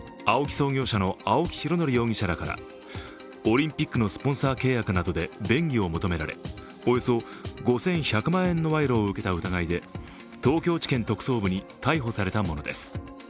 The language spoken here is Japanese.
創業者の青木拡憲容疑者らからオリンピックのスポンサー契約などで便宜を求められおよそ５１００万円の賄賂を受けた疑いで東京地検特捜部に逮捕されたものです。